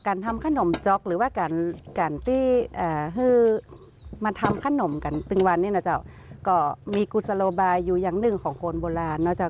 การทำข้านมจ๊อกหรือว่าการที่มาทำข้านมกันตึงวันนี้นะคะก็มีกุศลบายอยู่อย่างนึงของคนโบราณนะคะ